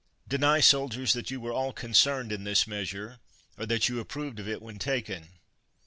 Deny, soldiers, that you were all concerned in this measure, or that you approved of it when taken.